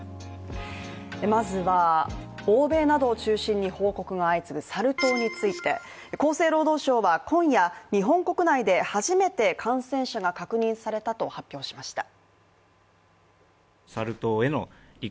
まずは、欧米などを中心に報告が相次ぐサル痘について厚生労働省は今夜、日本国内で初めて感染者が確認されたと発表しました。